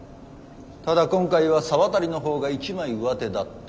ただ今回は沢渡の方が一枚うわてだった。